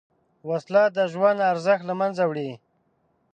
وسله د ژوند ارزښت له منځه وړي